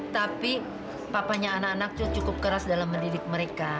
tapi papanya anak anak itu cukup keras dalam mendidik mereka